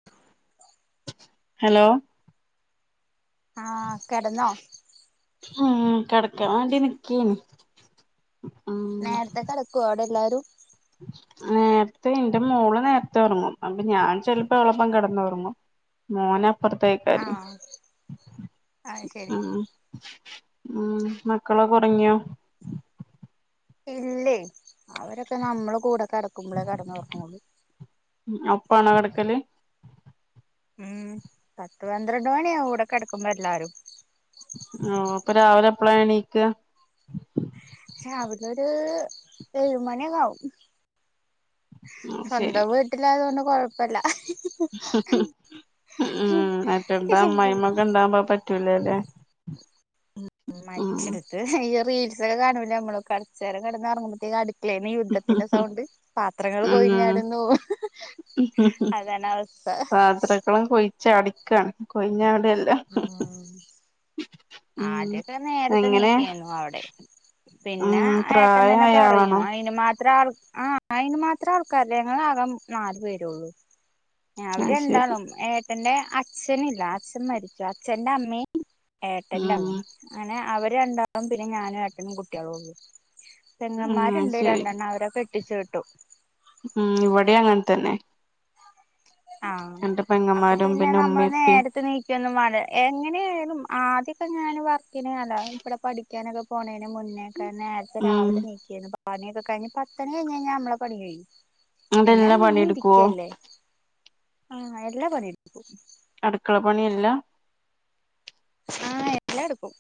[inaudible] Hello ആഹ് കെടന്നോ ഉം കെടക്കാൻ വേണ്ടി നിക്കേണ് നേരത്തെ കെടക്കോ അവിടെല്ലാരും നേരത്തെ എന്റെ മോള് നേരത്തെ ഉറങ്ങും അപ്പൊ ഞാൻ ചെലപ്പോ അവളൊപ്പം കെടന്നുറങ്ങും മോനപ്പുറത്തായിക്കാര് ആഹ് അത് ശരി ആഹ് ആഹ് മക്കളൊക്കെ ഒറങ്ങിയോ ഇല്ലേ അവരൊക്കെ നമ്മള കൂടെ കെടക്കുമ്പോളേ കെടന്നൊറങ്ങുള്ളൂ ഉം ഒപ്പാണോ കെടക്കല് ഉം പത്ത് പന്ത്രണ്ട് മണിയാവും ഇവിടെ കെടക്കുമ്പോ എല്ലാരും ഓ അപ്പൊ രാവിലെ എപ്പളാ എണീക്ക രാവിലൊരു ഏഴുമണിയൊക്കാവും അത് ശരി സ്വന്തം വീട്ടിലായതുകൊണ്ട് കൊഴപ്പല്ല ഉം മറ്റെടുത്ത് അമ്മായിമ്മക്കെ ഉണ്ടാകുമ്പ പറ്റൂലല്ലേ ഉം മറ്റെടുത്ത് ഈ റീൽസൊക്കെ കാണൂല്ലേ നമ്മള് കൊറച്ചേരം കിടന്നൊറങ്ങുമ്പഴേക്ക് അടു ക്കളേന്ന് യുദ്ധത്തിന്റെ സൗണ്ട് പാത്രങ്ങൾ ഉം കൊഴിഞ്ഞാട്ന്നു അതാണ് അവസ്ഥ മക്കളും കൊയാച്ചടിക്കാണ് കൊയിഞ്ഞട ആഹ് ഉം ആദ്യൊക്കെ നേരത്തെ എങ്ങനെ നീക്കേനു അവ്ടെ പിന്നെ ഉം ഏട്ടൻ തന്നെ പ്രായായ പറയും ആളാണോ അയിനും മാത്രം ആ അയിന് മാത്രം ആൾക്കാരില്ല ഞങ്ങളാകെ നാലു പേരൊള്ളൂ അവര് അത് ശരി രണ്ടാളും ഏ ന്റെ അച്ഛനില്ല അച്ഛൻ മരിച്ചു അച്ഛന്റെ അമ്മീം ഏട്ടന്റെ ഉം അമ്മേം അങ്ങനെ അവര് രണ്ടാവും പിന്നെ ഞാനും ഏട്ടനും കുട്ടിയളും ഉള്ളു ഉം പെങ്ങന്മാരുണ്ട് ശരി രണ്ടെണ്ണം അവരെ കെട്ടിച്ചു വിട്ടു ഉം ഇവിടെ അങ്ങനെ തന്നെ ആഹ് എന്റെ അപ്പൊ പെങ്ങന്മാരും പിന്നെ നമ്മള് ഉമ്മയും ഉപ്പയും നേരത്തെ നീ ഒന്നും മാണ്ട എങ്ങനെയാലും ആദ്യൊക്കെ ഞാൻ വർക്കില് ഇവിടെ പഠിക്കാനൊക്കെ പോണേന് മുന്നേ ക്കെ നേരത്തെ ഉം രാവിലെ നീക്കേരുന്നു പണിയൊക്കെ കഴിഞ്ഞ് പത്ത്മണി കയിഞ്ഞാൽ നമ്മള പണികയ്യും അതെല്ലാ പണിയെടുക്കുവോ ആഹ് എല്ലാ പണിയെടുക്കും അടുക്കള പണിയെല്ലാം ആഹ് എല്ലാം എടുക്കും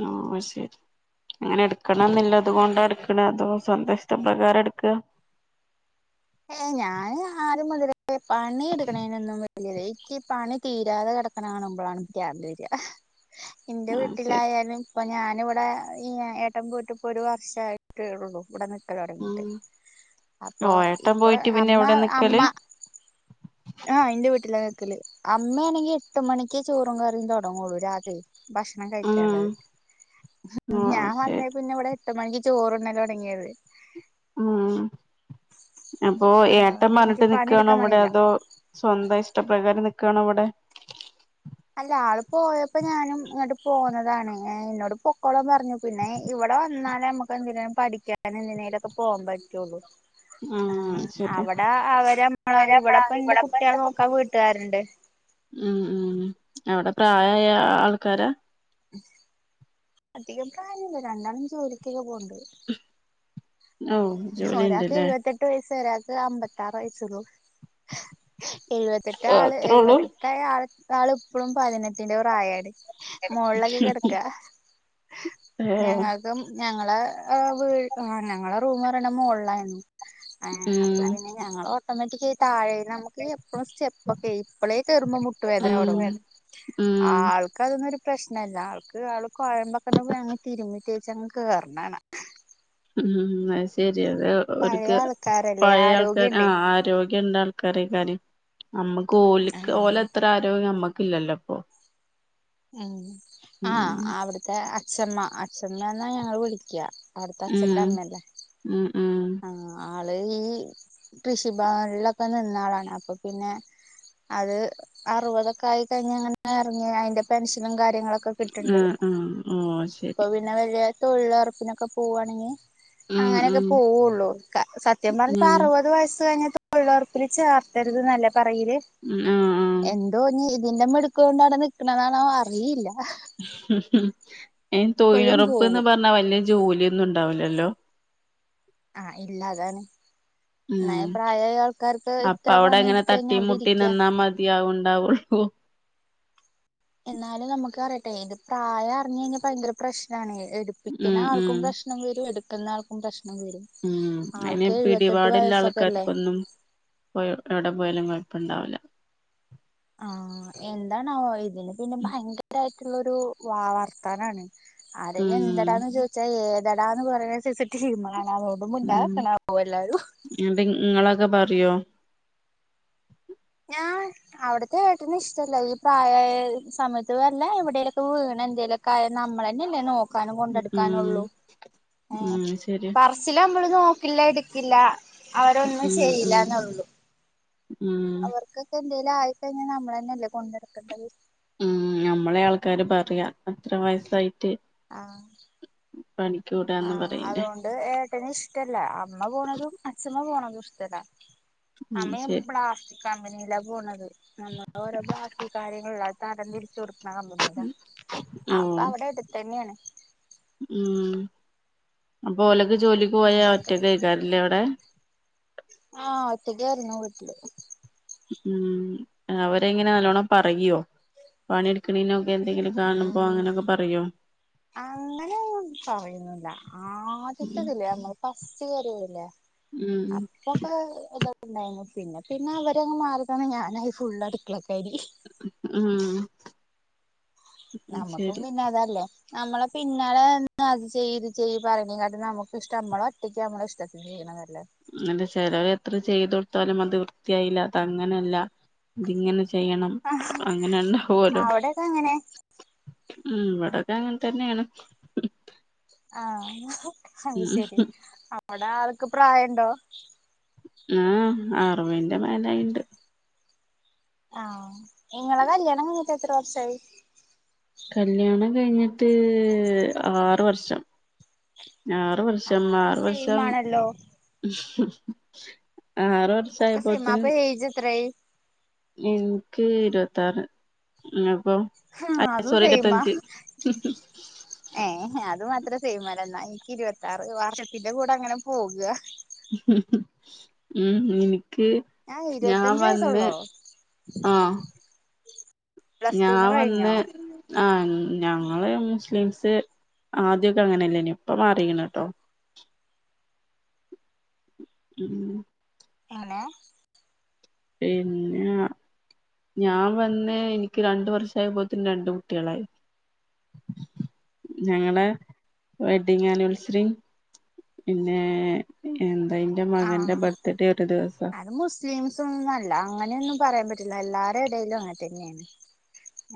ഉം ശരി അങ്ങനെ എടുക്കണംന്നില്ല അതുകൊണ്ടാ അട് അതോ സ്വന്തഷ്ട പ്രകാരം എടുക്കാ ഏഹ് ഞാന് ആദ്യം മുതലേ പണി എടുക്കണേനൊന്നും എനിക്കീ പണി തീരാതെ കെട്ക്കണെ കാണുമ്പളാ പ്രാന്ത് വരാ ഇന്റെ ആ ശരി വീട്ടിലായാലും അപ്പൊ ഞാനിവിടെ ഈ ഏട്ടൻ പോയിട്ടിപ്പൊ ഒരു വർഷമായിട്ടേ ഉള്ളു ഇവിടെ ക്കല് തൊടങ്ങിട്ട് അപ്പോ ട്ടൻ പോയിട്ട് പിന്നെ എവിടെ നിൽക്കല് ആഹ് ഇന്റെ വീട്ടില നിക്കല് അമ്മയാണെങ്കി എട്ട് മണിക്ക് ചോറും കറിയും തുടങ്ങുള്ളൂ രാത്രി ഭക്ഷണം ഉം കഴിക്കാള്ളത് ഓ ഞാൻ വന്നേ ശരി പിന്നെ ഇവിടെ എട്ട് മണിക്ക് ചോറുണ്ണല് തുടങ്ങിയത് ഉം അപ്പൊ ഏട്ടൻ അതുകൊണ്ട് എനിക്ക് പറഞ്ഞിട്ട് നിക്കാണോ പണിയെടുക്കാൻ ഇവിടെ മടിയില്ല അതോ സ്വന്തം ഇഷ്ടപ്രകാരം നിക്കാണോ ഇവിടെ അല്ല ആള് പോയപ്പോ ഞാനും ഇങ്ങോട്ട് പോന്നതാണ് എന്നോട് പൊക്കോളാൻ പറ പറഞ്ഞു പിന്നെ ഇവിടെ വന്നാലേ നമുക്ക് എന്തിനും പഠിക്കാനും എന്തിനേലുംക്കെ പോകാൻ പറ്റുള്ളൂ ഉം ആ ശരി അവിടെ അവര്മ്മള അവരമ്മള ഇവിടെപ്പ എന്റെ കുട്ടികൾ എന്തൊക്കെ നോക്കാ വീട്ടുകാരുണ്ട് ഉം ഉം അവിടെ പ്രായായ ആൾക്കാരാ അധികം പ്രായില്ല രണ്ടാളും ജോലിക്കൊക്കെ പോണ്ട് ഓഹ് ജോലിയിണ്ട്ല്ലേ എട്ട് വയസ് ഒരാക്ക് അമ്പത്താറ് വയസ്സുള്ളൂ എഴുപത്തെട്ട് ഓ ആള് അത്രേ എഴുപ ഉള്ളൂ ട്ടായ ആള് ഇപ്പളും പതിനെട്ടിന്റെ പ്രായാണ് മൊളൊക്കെ കെടക്ക ഏ ഞങ്ങ ഇപ്പം ഞങ്ങളെ വ് ഞങ്ങളെ റൂം പറയണെ മോളായിരുന്നു ഏഹ് അപ്പ ഉം പിന്നെ ഞങ്ങള് ഓട്ടോമാറ്റിക് താഴേ നമു ക്ക് എപ്പളും സ്റ്റപ്പൊക്കെ ഇപ്പളേ കേറുമ്പം മുട്ടുവേദന ഉം തൊടങ്ങും ഉം ആൾ ക്കതൊന്നും ഒരു പ്രശ്നല്ല ആൾക്ക് ആൾ കുഴമ്പൊക്കെ പോ അങ്ങ് തിരുമ്മിത്തേച്ചങ്ങ് കേറ്ണാണ ഉം അത് ശരി അത് പഴയ ഓര്ക്ക് ആൾക്കാരല്ലേ പഴയ ആൾക്കാർ ആ ആരോഗ്യണ്ടേ ആരോഗ്യ ണ്ട ആൾക്കായ്കാരെ അമ്മക്ക് ഓൽക്ക് ഓലത്ര ആരോഗ്യം അമ്മക്കില്ലല്ലോ പ്പൊ ഉം ആഹ് അവിട്ത്തെ അച്ഛമ്മ അച്ഛമ്മേന്നാ ഞങ്ങള് വിളിക്യാ അവ്ട്ത്തെ ഉം അച്ഛന്റമ്മല്ലേ ഉം ഉം ആഹ് ആള് ഈ കൃഷിഭവൻലൊക്കെ നിന്നാളാണ് അപ്പൊ പിന്നെ അത് അറുവതൊക്കായി കഴിഞ്ഞാ ഇങ്ങനെ എറങ്ങ്യാ അയിന്റെ പെൻഷനും കാര്യങ്ങളൊക്കെ ഇപ്പ കിട്ട്ണ്ട് ഉം ഉം ഓ ശരി ഇപ്പ പിന്നെ വല്യ തൊഴിലൊറപ്പിനൊക്കെ പോവാണെങ്കി ഉം അങ്ങനൊക്കെ ഉം പോവൊള്ളു ക സത്യം പറഞ്ഞ ഉം അറുപത് വയസ്സ് കഴിഞ്ഞ തൊഴിലൊർപ്പില് ചേർത്തര്ത് ന്നല്ലേ പറയല്. ഉം ആഹ് എന്തോഞ്ഞ് ഇതിന്റെ മിട്ക്ക് കൊണ്ടവടെ നിക്ക്ണതാണോ അറിയില്ല. അയിന് അപ്പഴും തൊഴിലൊറപ്പ്ന്ന് പോകും പറഞ്ഞാ വല്യ ജോല്യൊന്നുണ്ടാവൂലല്ലോ. ആഹ് ഇല്ല അതാണ് ന്നേ ഉം പ്രായായാൾക്കാര്ക്ക് അപ്പ ഇത്ര പണിട്ത്തഴിഞ്ഞാ അവടിരിക്യാ. യാവ്ണ്ടാവൊള്ളൂ എന്നാലും നമുക്കറിയട്ടെ അയ്ൻ്റെ പ്രായർഞ്ഞഴിഞ്ഞാ പയങ്കര പ്രശ്നാണ് ഉം ഉം എട്പ്പിക്ക്ണാൾക്കും പ്രശ് നം വെരും എട്ക്ക്ന്നാൾക്കും പ്രശ്നം വെരും. ഉം അയ്ന് പിടിപാട്ല്ലാൾക്കാര്ക്കൊന്നും ഇപ്പോ എവടെ പോയാലും കൊഴപ്പണ്ടാവുല്ല. ആഹ് എന്താണാവൊ ഇതിന് പിന്നെ ഭയങ്കരായിട്ടുള്ളൊരു വളർത്താനാണ്. ഉം ആരെന്നെന്തെടാന്ന് ചോയിച്ചാ ഏതെടാന്ന് പറിന്നൊരു സൈസ് ടീമളാണവൊ പ്പോ മുണ്ടാക്കണ [unintelligible] എല്ലാരും ന്നട്ട് ഇങ്ങളൊക്കെ പറ്യോ? ഞാൻ അവ്ട്ത്തെ ഏട്ടന് ഇഷ്ടല്ല ഈ പ്രായായ സമയത്ത് വല്ല എവടേലൊക്കെ വീണെന്തേലൊ ക്കായ നമ്മളെന്നെല്ലേ നോക്കാനും ഉം കൊണ്ടെട്ക്കാനൊള്ളൂ ഏഹ് ഉം ശരി പറ് ച്ച്ല അമ്മള് നോക്കില്ല എട്ക്കില്ല അവരൊന്നും ഉം ഉം ചെയ്യില്ലന്നൊള്ളൂ. ഉം ഇക്കൊക്കെന്തേലും ആയിക്കഴിഞ്ഞാ നമ്മളന്നല്ലേ കൊണ്ടട്ക്കണ്ടത്. ഉം ഞമ്മളെ ആൾക്കാര് പറയാ അത്ര വയസായിട്ട് ആഹ് പണിക്ക് വിടാന്ന് പറയില്ലേ. അത് ഏട്ടനിഷ്ടല്ല അമ്മ പോണതും അച്ഛമ്മ പോണതുഷ്ടല്ല. ഉം അമ്മ ഈ ശരി പ്ലാസ്റ്റിക് കമ്പനിലാ പോണത് നമ്മളോരോ പ്ലാസ്റ്റിക് കാര്യങ്ങള് ള്ള തരം തിരിച്ചൊട്ക്ക്ണ കമ്പനിയിലാ ഓ അപ്പവടെട്ത്തെന്ന്യെണ് ഉം അപ്പൊലൊക്കെ ജോലിക്ക് പോയ അങ്ങനെയൊക്കെ ഒറ്റക്കെക്കാരല്ലേ അവടെ ആഹ് ഒറ്റക്ക്യായിര്ന്നു വീട്ടില്. ഉം അവരെങ്ങനെ നല്ലോണം പറയോ പണിട്ക്ക്ണെനൊക്കെ എന്തെങ്കിലും കാണുമ്പോ അങ്ങനൊക്കെ പറയോ അങ്ങനൊന്നും പറയൊന്നുല്ല ആദ്യത്തതില് നമ്മള് ഫസ്റ്റ് കേറി വര്ല്ലേ ഉം പ്പൊക്കെ ഇതൊക്കെണ്ടായിനു പിന്നെ പിന്നെ അവരങ്ങ് മാറിതന്ന് ഞാനായി ഫുള്ളട്ക്കളക്കാരി. ഉം ഞമ്മക്കും ശരി പിന്നതല്ലേ. അമ്മളെ പിന്നാലെ വന്ന് അത് ചെയ്യ് ഇത് ചെയ്യ് പറിണേക്കാട്ടിം നമക്കിഷ്ടം അമ്മളൊറ്റക്ക് അമ്മളിഷ്ടത്തിന് ചെയ്യ്ണതാല്ലേ അങ്ങെനെ ചെലോരെത്ര ചെയ്തൊട്ത്താലും അത് വൃത്തിയായില്ല അതങ്ങനല്ല ഇത്ങ്ങനെ ചെ ചെയ്യണം ആഹ് അങ്ങനെ ഒണ്ടാവല്ലോ അവിടെയൊക്കെ അങ്ങനെ ഉം ഇവടൊക്കെ അങ്ങനെ തന്നൊണ് ആഹ് അത് ഉം ശെരി അവടെ ആൾക്ക് പ്രായഇണ്ടോ ആഹ് അറിവിന്റെ മേലായിണ്ട് ആഹ് നിങ്ങളെ കല്യാണം കയിഞ്ഞ്ട്ട് എത്ര വർഷായി കല്യാണം കയിഞ്ഞിട്ട് ആറ് വർഷം ആറ് വർഷം ആറ് വർഷം ആറ് വർ അപ്പാ സൈം അപ്പേഎജ് എത്രായി എൻക്ക് ഇര്പത്താറ് ഞിങ്ങക്കോ ആഹ് ഇരുപ്പഅഞ്ച് യെ അത് മാത്രം സൈമല്ല എന്നാ എനിക്ക് ഇരുപത്തിറ് വർഷത്തിന്റെ കൂടെ അങ്ങനെ പോകാ ഉം ഇനിക്ക് ഞാൻ ഇരുപത്തഞ്ച് വന്ന് വയസ്സൊള്ളോ ആഹ് പ്ലസ് ഞാ ടൂന്ന് വന്ന് കഴിഞ്ഞോ ആഹ് ഞങ്ങള് മുസ്ലിംസ് ആദ്യയോക്കെ അങ്ങനെലായിന്നോഇനി ഇപ്പ മാറിക്കാണട്ടോ ഉം എങ്ങനെ പിന്നെ ഞാൻ വന്ന് എനിക്ക് രണ്ട് വർഷയാപ്പേത്തേന് രണ്ട് കുട്ടിയളായി ഞങ്ങളെവെഡ്ഡിങ് ആനിവേഴ്സറി പിന്നെ എന്തായ് എൻ്റെ മകന്റെ ബർത്ത്ഡേ ഒര് ദിവസാ ടിൻസുംഒന്നും അല്ലാ അങ്ങനെയൊന്നും പറയാൻ പറ്റ്ന്നാ അല്ല എല്ലാരോടെ എടെലും അങ്ങനെ തന്നെയാണ്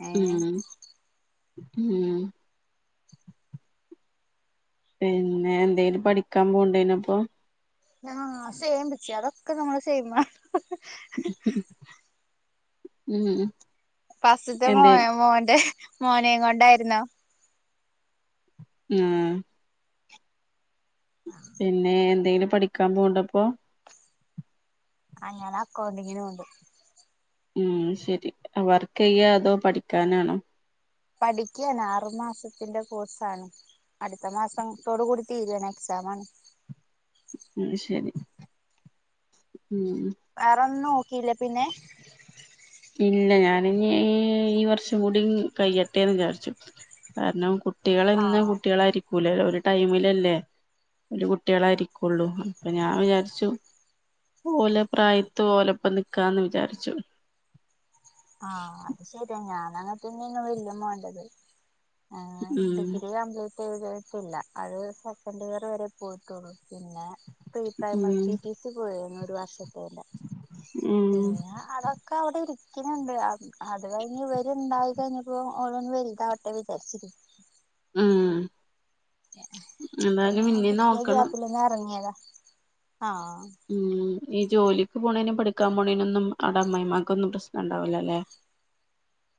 ഏ ഉം ഉം പിന്നെ എന്തേലും പഠിക്ക്യാൻ പോണ്ടേനേ യിരുന്നഅപ്പൊ ആഹ് സേയിമം വിച്ച് അതൊക്കെ നമ്മള് സേയിമാ ഉം ഉം ഫസ്റ്റ്ത്തെ എന്തേ മോന്റെ മോനേയും കൊണ്ടായിര്ന്നോ ഉം പിന്നെ എന്തെലും പഠിക്ക്യാൻ പോണ്ടാ ഇപ്പോ ആഹ് ഞാൻ അക്കൗണ്ടിങ്ങിന് പോണ്ട് ഉം ശേരി വർക്ക് ചെയ്യാ അതോ പഠിക്കാനാണോ പഠിക്ക്യാണ് ആറ് മാസത്തിന്റെ കോഴ്സാണ് അട്ത്താ മാസാത്തോടു കൂടി തീര്യയാണ് എക്സാം ആണ് ആഹ് ശേരി ഉം വേറെന്നും നോക്കില്ലേ പിന്നെ ഇല്ലാ ഞാന് ഇനി ഈ വർഷം കൂടി കയ്യട്ടെന്ന് വിചാരിച്ചു കാരണം കു ട്ടികള് എന്ന് ആഹ് കുട്ടികളായിരി ല്ലേ ഒര് ടൈമില് അല്ലേ ഓര് കുട്ടികളായിരിക്കോള്ളൂ അപ്പൊ ഞാൻ വിചാരിച്ചു ഓലാ പ്രയത്ത് ഓലപ്പം നിക്കാന്ന് വിചാരിച്ചു ആഹ അത് ശെരി ഞാൻ അങ്ങന്നെ തന്നെയായിരുന്നു വലിയ മോൻ്റെ ത് ആഹ് ഉം ഡിഗ്രി കബിളിറ്റ് ട്ടില്ലാ അത് സെക്കൻഡ് ഇയർ വേരെ പോയിട്ടു ഒള്ളു പിന്നെ പ്രീ പ്രൈമറി ഉം ടി ടി സി പോയിരുന്നു ഒര് വർഷത്തേന്റെ ഉം പിന്നെ അതൊക്കെ അവടെ ഇരിക്ക്യാണാണ്ട് അത് കഴിഞ്ഞ് ഇവര് ഇണ്ടായി ഞ്ഞാപ്പോ ഓള് വല്താവട്ടെ വിചാരി ണ് ഉം അപ്പൊ എന്തായാലും ഇങ്ങനെ ഇനി കിട്ടിയ നോക്കണം ഗാപ്പില് അങ്ങ് എറങ്ങിയതാ ആഹ് ഉം ഈ ജോലിക്ക് പോണേനും പഠി. ക്കാൻ പോണേനൊന്നും അവടെ അമ്മമായിമാക്കൊന്നും പ്രശ്ംണ്ടാവൂല്ലല്ലേ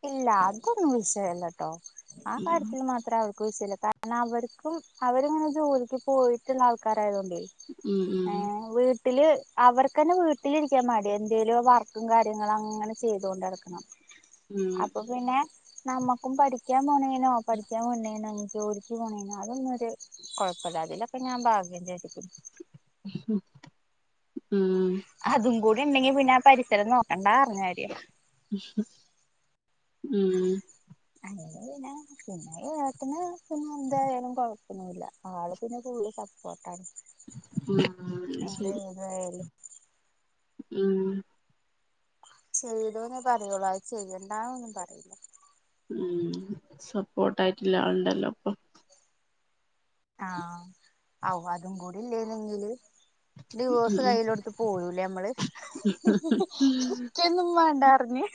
ഇല്ലാ അതൊന്നും വിഷയല്ലാട്ടോ ആ ഉം കാര്യത്തിൽ മാത്രംഅവര് വിഷയില്ലാ കാരണം അവർക്കും അവരിങ്ങനെ ജോലിക്ക് പോയിട്ടുള്ള ആൾക്കാരായതുണ്ടോ. ഉം ഹോ ഉം വിട് വീട്ടില് അവർക്കന്നെ വീട്ടിലിരിക്കാൻ മടിയാ എന്തെലും വർക്കും കാര്യങ്ങളും അങ്ങനെ ചെയ്തോണ്ടടക്കണം. ഉം അപ്പൊ പിന്നെ നമ്മക്കും പഠിക്കാൻ പോണേനോ പഠിക്കാൻ വിട്ന്നേനോ ജോല ക്ക് പോണേന് അതൊന്നും ഒരു കൊഴപ്പല്ലാ അതിലൊക്കെ ഞാൻ ഭാഗ്യം ചെയ്തിട്ട്- ഉം അതും കൂടി ഉണ്ടെങ്കി പിന്നെ പരിസരം നോക്കണ്ടാ പറഞ്ഞര്. ഉം അങ്ങനെ വിനെ പിന്നെ ഏട്ടന് പിന്നെ എന്തായാലും കൊഴപ്പൊന്നൂല്ല ആള് പിന്നെ ഫുളള് സപ്പോർട്ടാണ്. എന്താ ശരി ഏതായാല്ലും ഉം ചെയ്തോ എന്നേ പറയുള്ളൂ അത് ചെയ്യണ്ടാ ഒന്നും പറയില്ല. ഉം സപ്പോർട്ടായിട്ടില്ലാ ആള്ണ്ടല്ലോ അപ്പൊ ആഹ അവ് അതും കൂടില്ലേയ്നങ്കില്. ഉം ഡിവോസ്കയ്യിലൊടുത്ത് പോരൂലേ അമ്മള്. ക്ക് ഒന്നും വേണ്ട നറഞ്ഞ്.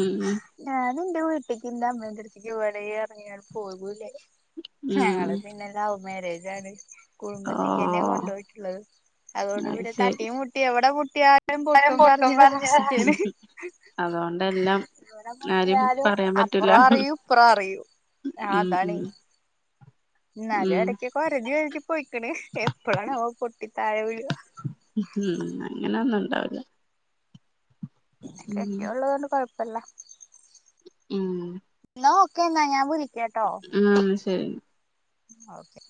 ഉം ഞാനെൻ്റെ വീട്ടേക്ക് എൻ്റമ്മേൻ്റടുത്തേക്ക് പൂവാണെ എറങ്ങിയാൽ പോകൂല്ലേ ഉം ഞങ്ങള്. ലൗവ് മാരേജ് ആണ് ഓ കുടുംബത്തിക്കന്നെ കൊണ്ടുപോയിട്ടുള്ളത്. അതുകൊണ്ട് അത് പിന്നെ ശരി തട്ടിം മു- എവടെ മുട്ടിയാലും പൊട്ടും പറഞ്ഞതാ ഒരവസ്ഥയാണ്. അതുകൊണ്ടെല്ലാം ആരും എവടെമുട്ടിയാലും പറയാൻ അപ്പ പറ്റൂല റോ അറിയും ഇപ്പ റോ അറിയും ഉം അതാണെ. ഉം എന്നാലും ഉം എടക്കൊക്കെ ഒരതി ഒരതി പോയ്ക്കണ്. എപ്പളാണാവോ പൊട്ടി താഴെ വിഴ ഉം ഉം അങ്ങനൊന്നും ഉണ്ടാവൂല. പിന്നെ കെട്ടിയേ ഉള്ളതൊണ്ട് കൊഴപ്പല്ല. ഉം ആ ഓക്കെ എന്നാ ഞാൻ വിളിക്കട്ടോ ആഹ് ശരി ഓക്കേ.